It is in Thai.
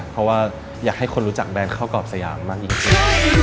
เพราะว่าอยากให้คนรู้จักแบรนด์ข้าวกรอบสยามมากอีกที